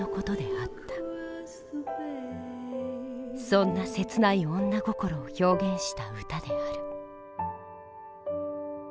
そんな切ない女心を表現した歌である。